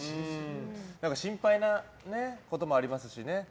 心配なこともありますしね。